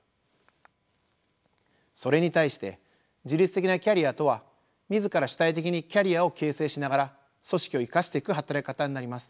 それに対して自律的なキャリアとは自ら主体的にキャリアを形成しながら組織を生かしていく働き方になります。